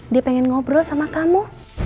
dia pengen ngobrol sama kamu